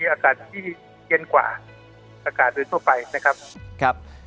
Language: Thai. อากาศที่เย็นกว่าอากาศโดยทั่วไปนะครับครับ